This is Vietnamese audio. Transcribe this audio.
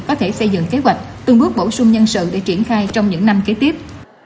có thể xây dựng kế hoạch từng bước bổ sung nhân sự để triển khai trong những năm kế tiếp